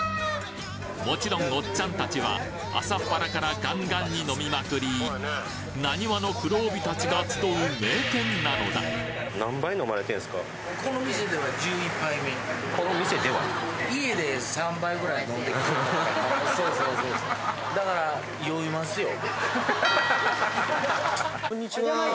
もちろんおっちゃんたちは朝っぱらからガンガンに飲みまくりなにわの黒帯たちが集う名店なのだこんにちは。